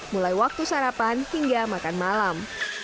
mulai waktu sarapan hingga makan malam